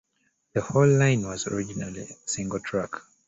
The whole line was originally single track.